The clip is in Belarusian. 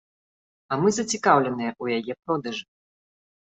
А мы зацікаўленыя ў яе продажы.